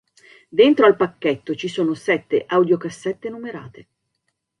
Dentro al pacchetto ci sono sette audiocassette numerate.